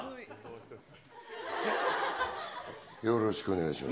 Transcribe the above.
よろしくお願いします。